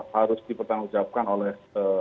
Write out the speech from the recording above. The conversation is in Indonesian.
harus dipertanggungjawabkan oleh